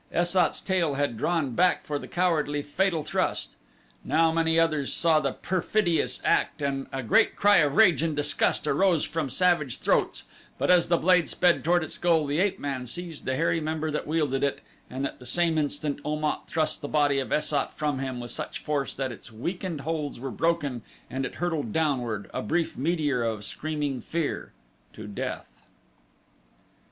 Es sat's tail had drawn back for the cowardly fatal thrust. Now many others saw the perfidious act and a great cry of rage and disgust arose from savage throats; but as the blade sped toward its goal, the ape man seized the hairy member that wielded it, and at the same instant Om at thrust the body of Es sat from him with such force that its weakened holds were broken and it hurtled downward, a brief meteor of screaming fear, to death.